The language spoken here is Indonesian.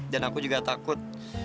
dan aku juga takut